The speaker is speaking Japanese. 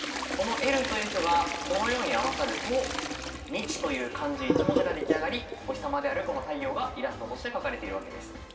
この「Ｌ」と「Ｆ」がこのように合わさると「日」という漢字１文字ができあがりお日さまであるこの太陽がイラストとして描かれているわけです。